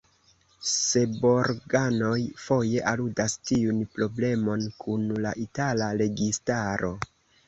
Seborganoj foje aludas tiun problemon kun la itala registaro.